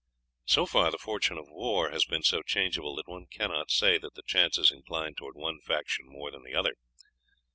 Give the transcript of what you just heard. So far the fortune of war has been so changeable that one cannot say that the chances incline towards one faction more than the other.